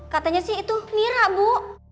katanya sih itu nira bu